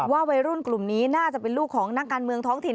วัยรุ่นกลุ่มนี้น่าจะเป็นลูกของนักการเมืองท้องถิ่น